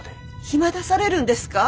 暇出されるんですか？